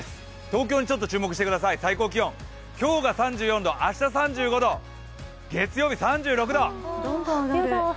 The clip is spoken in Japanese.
東京に注目してください、最高気温今日が３４度、明日３５度、月曜日３６度！